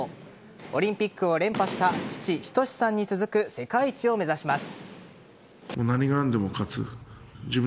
オリンピックを連覇した父・仁さんに続く世界一を目指します。